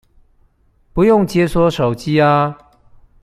不用解鎖手機啊